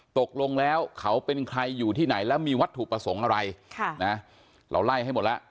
ตกลงแล้วเขาเป็นใครอยู่ที่ไหนแล้วมีวัตถุประสงค์อะไรเราไล่ให้หมดแล้ว